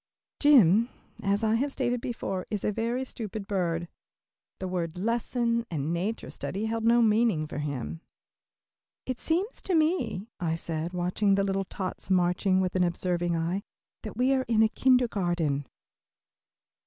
Jim, as I have stated before, is a very stupid bird. The words "lesson" and "nature study" held no meaning for him. "It seems to me," I said, watching the little tots marching with an observing eye, "that we are in a kindergarten."